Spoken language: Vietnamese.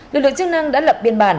lực lượng chức năng đã lập biên bản